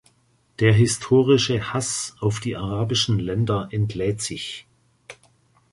Der historische Haß auf die arabischen Länder entlädt sich.